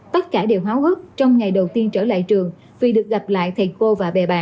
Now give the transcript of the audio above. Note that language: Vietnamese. tất cả đều háo hức trong ngày đầu tiên trở lại trường vì được gặp lại thầy cô và bè bạn